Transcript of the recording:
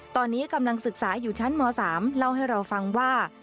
ตอนนี้กำลังศึกษาอยู่ชั้นม๓เล่าให้เราฟังว่า